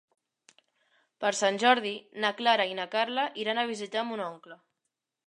Per Sant Jordi na Clara i na Carla iran a visitar mon oncle.